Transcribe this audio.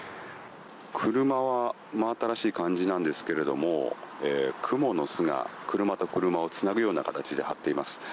車は真新しい感じなんですけどクモの巣が車と車をつなぐような形で張っています。